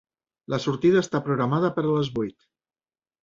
La sortida està programada per a les vuit.